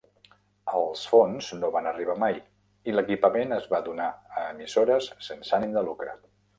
Els fons no van arribar mai i l'equipament es va donar a emissores sense ànim de lucre.